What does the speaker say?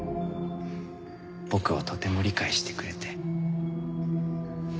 僕をとても理解してくれて。